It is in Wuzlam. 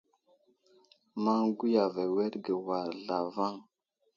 Maŋ gwiyave awerge war zlavaŋ.